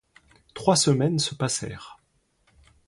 Trois semaines se passèrent.